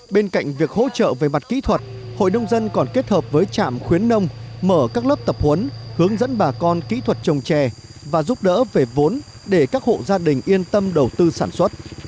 bên cạnh việc hỗ trợ về mặt kỹ thuật hội nông dân còn kết hợp với trạm khuyến nông mở các lớp tập huấn hướng dẫn bà con kỹ thuật trồng trè và giúp đỡ về vốn để các hộ gia đình yên tâm đầu tư sản xuất